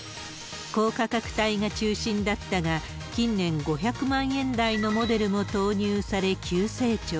高価格帯が中心だったが、近年、５００万円台のモデルも投入され、急成長。